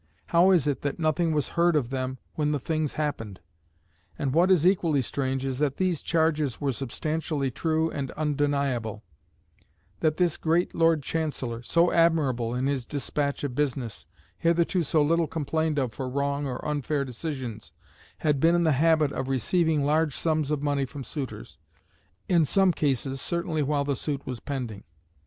How is it that nothing was heard of them when the things happened? And what is equally strange is that these charges were substantially true and undeniable; that this great Lord Chancellor, so admirable in his despatch of business, hitherto so little complained of for wrong or unfair decisions, had been in the habit of receiving large sums of money from suitors, in some cases certainly while the suit was pending.